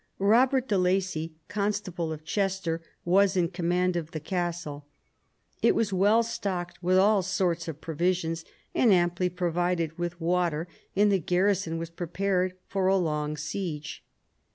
Kobert de Lacy, constable of Chester, was in command of the castle. It was well stocked with all sorts of provisions and amply provided with water, and the garrison were prepared for a long siege.